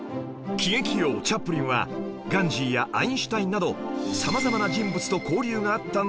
喜劇王チャップリンはガンジーやアインシュタインなど様々な人物と交流があったんですが